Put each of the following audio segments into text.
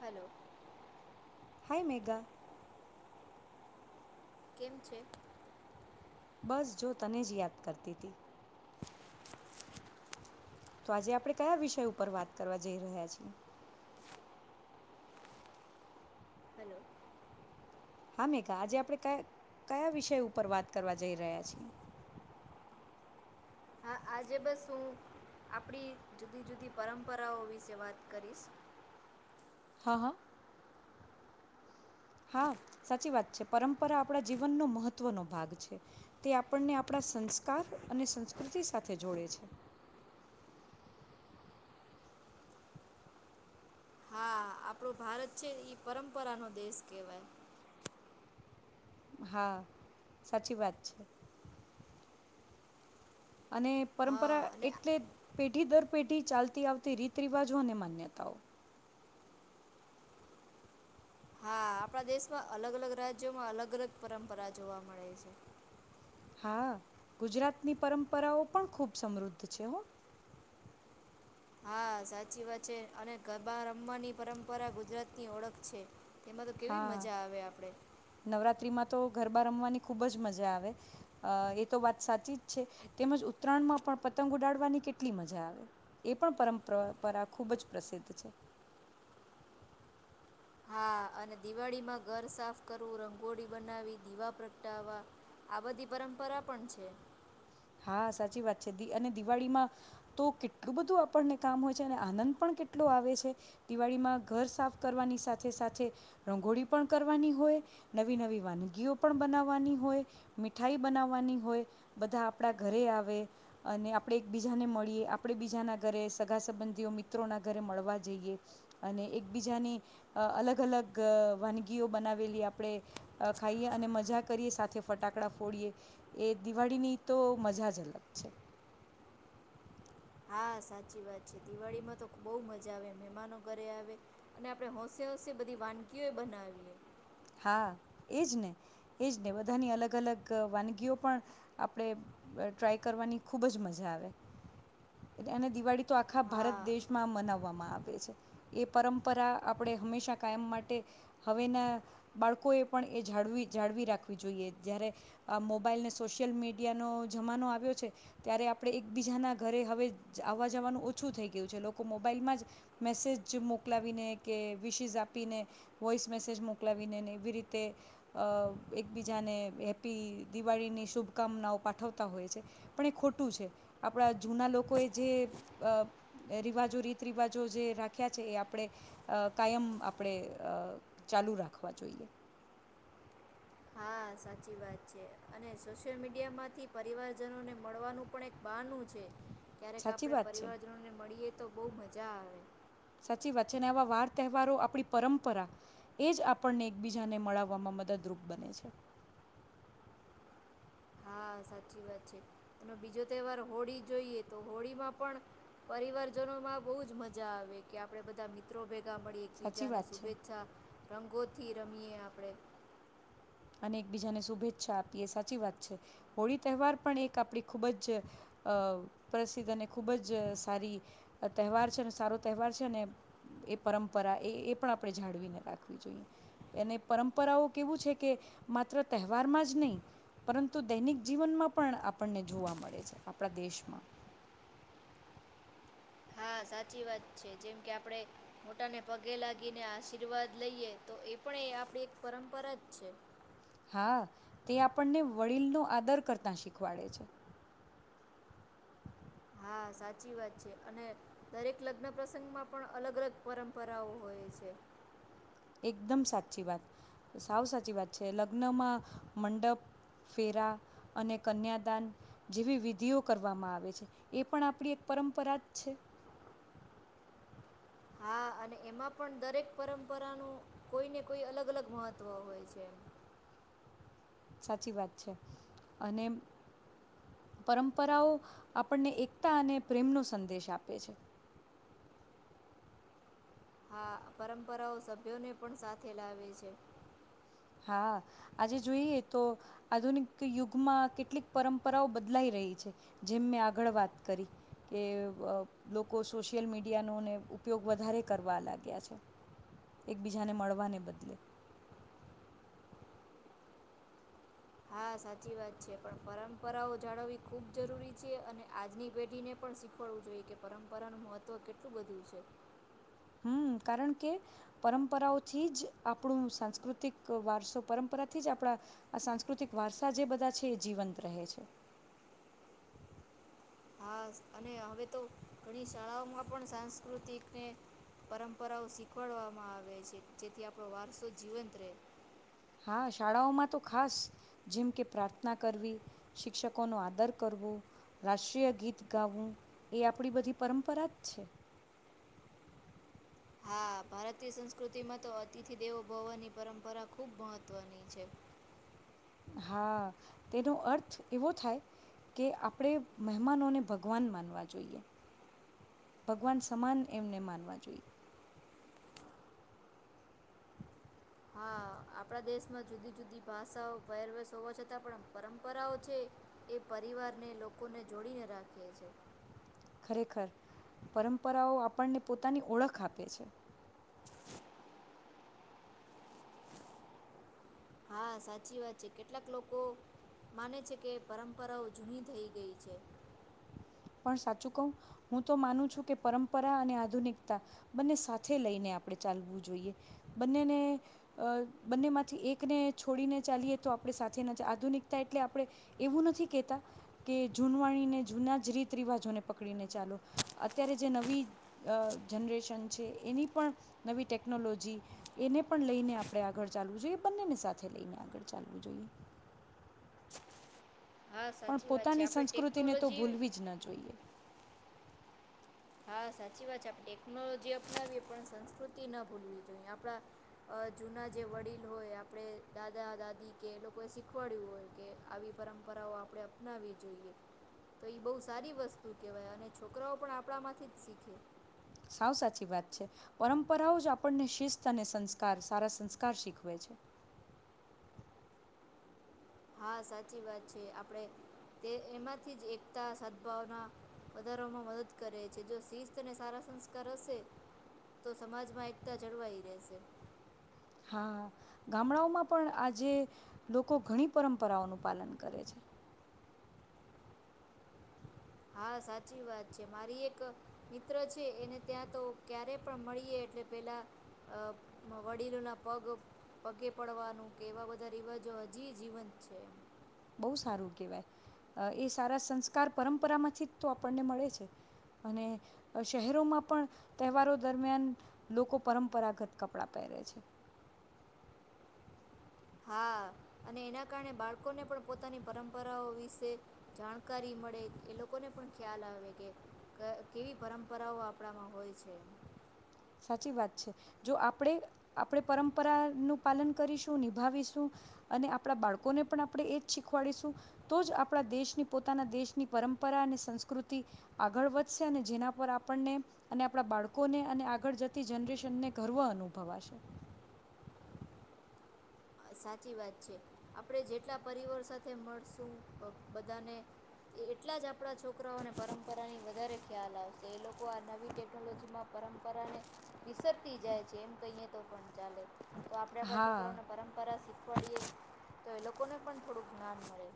Hello. Hi, Megha. કેમ છે. બસ જો તને જ યાદ કરતી તી. તો આજે આપણે કયા વિષય ઉપર વાત કરવા જઈ રહ્યા છીએ? હલો હા મેઘા આજે આપણે ક કયા વિષય ઉપર વાત કરવા જઈ રહ્યા છીએ? હા, આજે બસ હું આપડી જુદી જુદી પરંપરાઓ વિશે વાત કરીશ. હા-હા. હા, સાચી વાત છે પરંપરા આપણા જીવનનો મહત્વનો ભાગ છે. તે આપણને આપણા સંસ્કાર અને સંસ્કૃતિ સાથે જોડે છે. હા આપણો ભારત છે ઈ પરંપરાનો દેશ કહેવાય હા સાચી વાત છે. અને પરંપરા હા અને એટલે પેઢી દર પેઢી ચાલતી આવતી રીત રિવાજો અને માન્યતાઓ. હા આપણા દેશમાં અલગ અલગ રાજ્યોમાં અલગ અલગ પરંપરા જોવા મળે છે. હા ગુજરાતની પરંપરાઓ પણ ખૂબ સમૃદ્ધ છે હો. હા સાચી વાત છે અને ગરબા રમવાની પરંપરા ગુજરાત ની ઓળખ છે. તેમાં તો કેવી હા મજા આવે આપડે. નવરાત્રિમાં તો ગરબા રમવાની ખૂબ જ મજા આવે એ તો વાત સાચી જ છે, તેમજ ઉત્તરાયણમાં પણ પતંગ ઉડાડવાની કેટલી મજા આવે એ પણ પરંપરા ખૂબ જ પ્રસિદ્ધ છે. હા અને દિવાળીમાં ઘર સાફ કરવું, રંગોળી બનાવી, દીવા પ્રગટાાવવા આ બધી પરંપરા પણ છે. હા સાચી વાત છે અને દિવાળીમાં તો કેટલું બધું આપણને કામ હોય છે અને આનંદ પણ કેટલો આવે છે દિવાળીમાં ઘર સાફ કરવાની સાથે સાથે રંગોળી પણ કરવાની હોય, નવી નવી વાનગીઓ પણ બનાવવાની હોય, મીઠાઈ બનાવવાની હોય બધા આપણા ઘરે આવે અને આપણે એકબીજાને મળીએ આપણે બીજાના ઘરે સગા સંબંધીઓ મિત્રોના ઘરે મળવા જઈએ અને એકબીજાની અલગ અલગ વાનગીઓ બનાવેલી આપણે ખાઈએ અને મજા કરીએ સાથે ફટાકડા ફોડીએ એ દિવાળીની તો મજા જ અલગ છે. હા સાચી વાત છે દિવાળીમાં તો બહુ મજા આવે મહેમાનો ઘરે આવે અને આપણે હોંશે-હોશે બધી વાનગીઓ બનાવીએ હા એજ ને એજ ને બધાની અલગ-અલગ વાનગીઓ પણ આપણે ટ્રાય કરવાની ખૂબ જ મજા આવે અને દિવાળી તો આખા ભારત હા દેશમાં મનાવવામાં આવે છે એ પરંપરા આપણે હંમેશા કાયમ માટે હવેના બાળકોએ પણ એ જાળવી જાળવી રાખવી જોઈએ જ્યારે આ મોબાઈલને સોશિયલ મીડિયાનો જમાનો આવ્યો છે ત્યારે આપણે એકબીજાના ઘરે હવે આવવા જવાનું ઓછું થઈ ગયું છે લોકો મોબાઈલમાં જ મેસેજ મોકલાવીને કે વિશિસ આપીને વોઇસ મેસેજ મોકલાવી આવીનેને એવી રીતે એકબીજાને હેપી દિવાળીની શુભકામનાઓ પાઠવતા હોય છે, પણ એ ખોટું છે આપણા જૂના લોકોએ જે રિવાજો રીત રિવાજો જે રાખ્યા છે એ આપણે કાયમ આપણે ચાલુ રાખ રાખવા જોઈએ. હા સાચી વાત છે અને સોશિયલ મીડિયામાંથી પરિવારજનોને મળવાનું પણ એક બહાનું છે. ક્યારેક સાચી આપણે વાત છે પરિવારજનો ને મળીએે. તો બહુ મજા આવે. સાચી વાત છે અને આવા વાર તહેવારો આપણી પરંપરા એ જ આપણને એકબીજાને મળાવવામાં મદદરૂપ બને છે. હા સાચી વાત છે, અને બીજો તહેવાર હોળી જોઈએ તો હોળીમાં પણ પરિવારજનો માં બહુ જ મજા આવે કે આપડે બધા મિત્રો ભ મળી એક સાચી બીજા ને વાત છે શુભેચ્છા રંગોથી રમીએે આપડે. અને એકબીજાને શુભેચ્છા આપીએ એ સાચી વાત છે હોળી તહેવાર પણ એક આપણી ખૂબ જ અ પ્રસિદ્ધ અને ખૂબ જ સારી તહેવાર છે અને સારો તહેવાર છે અને એ પરંપરા એ એ પણ આપણે જાળવીને રાખવી જોઈએ એને પરંપરાઓ કેવું છે કે કે માત્ર તહેવારમાં જ નહીં પરંતુ દૈનિક જીવનમાં પણ આપણને જોવા મળે છે આપણા દેશમાં. હા સાચી વાત છે, જેમ કે આપણેે મોટાને પગે લાગીને આશીર્વાદ લઈએ તો એ પણ એ આપડી એક પરંપરા જ છે. હા તે આપણને વડીલનો આદર કરતા શીખવાડે છે. હા સાચી વાત છે અને દરેક લગ્ન પ્રસંગમાં પણ અલગ- અલગ પરંપરાઓ હોય છે. એકદમ સાચી, વાત સાવ સાચી વાત છે લગ્નમાં મંડપ, ફેરા, અને કન્યાદાન જેવી વિધિઓ કરવામાં આવે છે એ પણ આપણી એક પરંપરા જ છે. હા અને એમાં પણ દરેક પરંપરાનું કોઈને કોઈ અલગ- અલગ મહત્વ હોય છે એ સાચી વાત છે, અને પરંપરાઓ આપણને એકતા અને પ્રેમનો સંદેશ આપે છે. હા પરંપરાઓ સભ્યોને પણ સાથે લાવે છે. હા આજે જોઈએ તો આધુનિક યુગમાં કેટલીક પરંપરાઓ બદલાઈ રહી છે, જેમ મેં આગળ વાત કરી કે લોકો સોશિયલ મીડિયાનોને ઉપયોગ વધારે કરવા લાગ્યા છે. એકબીજાને મળવાને બદલે. હા સાચી વાત છે, પણ પરંપરાઓ જાળવવી ખૂબ જરૂરી છે અને આજની પેઢીને પણ શીખવાડવું જોઈએ કે પરંપરાનું મહત્ત્વ કેટલું બધું છે. હમમ, કારણ કે પરંપરાઓથી જ આપણું સાંસ્કૃતિક વારસો પરંપરાથી જ આપણા આ સાંસ્કૃતિક વારસા જે બધા છે એ જીવંત રહે છે. હા અને હવે તો ઘણી શાળાઓમાં પણ સાંસ્કૃતિકને પરંપરાઓ શીખવાડવામાં આવે છે જેથી આપણો વારસો જીવંત રહે. હા શાળાઓમાં તો ખાસ જેમ કે પ્રાર્થના કરવી, શિક્ષકોનો આદર કરવો, રાષ્ટ્રીય ગીત ગાવવું એ આપણી બધી પરંપરા જ છે. હા ભારતીય સંસ્કૃતિમાં તો અતિથિ દેવો ભવની પરંપરા ખૂબ મહત્વની છે. હા તેનો અર્થ એવો થાય કે આપણે મહેમાનોને ભગવાન માનવા જોઈએ ભગવાન સમાન એમને માનવા જોઈએ. હા આપણા દેશમાં જુદી-જુદી ભાષાઓ પેહરવેસ હોવા છતાં પણ પરંપરાઓ છે એ પરિવારને લોકોને જોડીને રાખીએ છે. ખરેખર પરંપરાઓ આપણને પોતાની ઓળખ આપે છે. હા સાચી વાત છે કેટલાક લોકો માને છે કે પરંપરાઓ જૂની થઈ ગઈ છે. પણ સાચું કહું, હું તો માનું છું કે પરંપરા અને આધુનિકતા બંને સાથે લઈને આપણે ચાલવું જોઈએ. બંનેને બંનેમાંથી એકને છોડીને ચાલીએ તો આપણે સાથે આધુનિકતા એટલે આપણે એવું નથી કહેતા, કે જૂનવાણીને જૂના જ રીત રિવાજોને પકડીને ચાલો અત્યારે જે નવી અ જનરેશન છે એની પણ નવી ટેકનોલોજી એને પણ લઈને આપણે આગળ ચાલવું જોઈએ બંનેને સાથે લઈને આગળ ચાલવું જોઈએ. હા પણ સાચી વાત પોતાની સંસ્કૃતિને તો ભૂલવી જ ના જોઈએ. હા સાચી વાત છે, આપ ટેકનોલોજી અપનાવીએ પણ સંસ્કૃતિ ના ભૂલવી જોઈએ આપણા અ જૂના જે વડીલ હોય આપણે દાદા-દાદી કે એ લોકોએ શીખવાડ્યું હોય કે આવી પરંપરાઓ આપણે અપનાવી જોઈએ તો એ બહુ સારી વસ્તુ કેહેવાય અને છોકરાઓ પણ આ પડામાં થી જ શીખે. સાવ સાચી વાત છે પરંપરાઓ જ આપણને શિસ્ત અને સંસ્કાર સારા સંસ્કાર શીખવે છે. હા સાચી વાત છે આપણેે તે એમાંથી જ એકતા સદભાવના વધારવામાં મદદ કરે છે જો શિસ્તને સારા સંસ્કાર હશે તો સમાજમાં એકતા જળવાઈ રહેશે. હા ગામડાઓમાં પણ આજે લોકો ઘણી પરંપરાઓનું પાલન કરે છે. હા સાચી વાત છે, મારી એક મિત્ર છે, એને ત્યાં તો ક્યારે પણ મળીએ એટલે પેલા અ વડીલોના પગ પગે પડવાનું કે એવા બધા રિવાજો હજી જીવંત છે. બહુ સારું કહેવાય એ સારા સંસ્કાર પરંપરામાંથી તો આપણને મળે છે અને શહેરોમાં પણ તહેવારો દરમિયાન લોકો પરંપરાગત કપડાં પહેરે છે. હા અને એના કારણે બાળકોને પણ પોતાની પરંપરાઓ વિશે જાણકારી મળે એ લોકોને પણ ખ્યાલ આવે કે કેવી પરંપરાઓ આપણામાં હોય છે. સાચી વાત છે જો આપણે આપણે પરંપરાનું પાલન કરીશું નિભાવીશું અને આપણા બાળકોને પણ આપણે એજ શીખવાડીશું તો જ આપણા દેશની પોતાના દેશની પરંપરા અને સંસ્કૃતિ આગળ વધશે અને જેના પર આપણને અને આપણા બાળકોને અને આગળ જતી જનરેશનને ગર્વ અનુભવાશે. સાચી વાત છે આપણે જેટલા પરિવાર સાથે મળશું બધાને એટલા જ આપણા છોકરાઓને પરંપરાની વધારે ખ્યાલ આવશે એ લોકો આ નવી ટેકનોલોજીમાં પરંપરાને વિસરતી જાય છે એમ કહીએ તો પણ ચાલે તો આપડે આપડા હા છોકરોને પરં રા શીખવાડીએ તો એ લોકોને પણ થોડું જ્ઞાન મળે.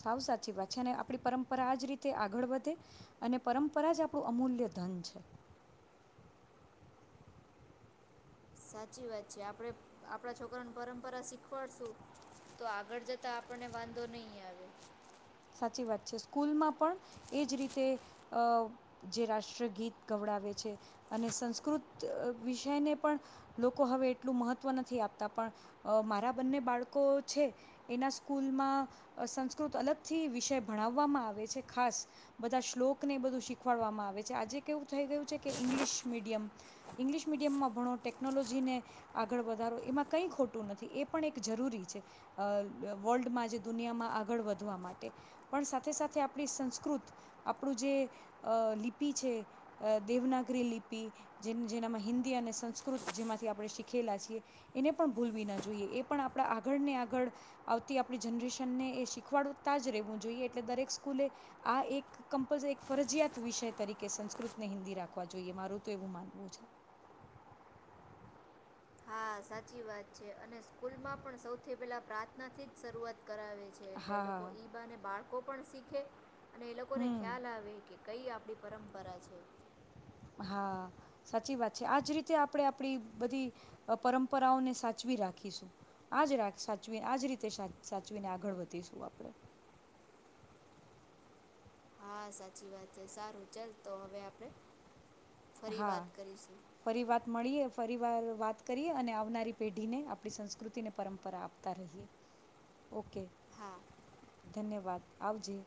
સાવ સાચી વાત છે અને આપણી પરંપરા આજ રીતે આગળ વધે અને પરંપરા જ આપણું અમૂલ્ય ધન છે. સાચી વાત છે આપડે આપણા છોકરાને પરંપરા શીખવાડશું તો આગળ જતા આપણને વાંધો નહી આવે. સાચી વાત છે સ્કૂલમાં પણ એ જ રીતે જે રાષ્ટ્રગીત ગવડાવે છે અને સંસ્કૃત વિષયને પણ લોકો હવે એટલું મહત્ત્વ નથી આપતા પણ મારા બંને બાળકો છે એના સ્કૂલમાં સંસ્કૃત અલગ થી વિષય ભણાવવામાં આવે છે ખાસ બધા શ્લોકને એ બધું શીખવાડવામાં આવે છે આજે કેવું થઈ ગયું છે કે ઇંગ્લિશ મીડિયમ ઇંગ્લિશ મીડિયમમાં ભણો ટેકનોલોજીને આગળ વધારો એમાં કંઈ ખોટું નથી એ પણ એક જરૂરી છે વર્લ્ડમાં જે દુનિયામાં આગળ વધવા માટે પણ સાથે સાથે આપણી સંસ્કૃત આપણું જે લિપિ છે દેવનાગરી લિપિ જે જેનામાં હિન્દી અને સંસ્કૃત જેમાંથી આપણે શીખેલા છીએ એને પણ ભૂલવી ના જોઈએ એ પણ આપણા આગળને આગળ આવતી આપણી જનરેશનને એ શીખવાડ [unintelligible] રેવું જોઈએ એટલે દરેક સ્કૂલે આ એક કમપલરી ફરજીયાત વિષય તરીકે સંસ્કૃતને હિન્દી રાખવા જોઈએ મારું તો એવું માનવું છે. હા સાચી વાત છે અને સ્કૂલમાં પણ સૌથી પેલા પ્રાર્થના થી જ શરૂઆત કરાવે છે એટલે એ લોકો હા, ઈબા અને બાળ કો પણ શીખે અને એ લોકોને હમ, ખ્યાલ આવે કે કઈ આપણી પરંપરા છે. હા સાચી વાત છે આજ રીતે આપણે આપણી બધી પરંપરાઓને સાચવી રાખીશું આજ સાચવીને આજ રીતે સાચવીને આગળ વધીશું આપણે. હા સાચી વાત છે સારું ચાલ તો હવે આપણે ફરી હા વાત કરીશું ફરી વાત મળીએ પરિવાર વાત કરીએ અને આવનારી પેઢીને આપણી સંસ્કૃતિને પરંપરા આપતા રહીએ ઓકે. હા. ધન્યવાદ આવજે.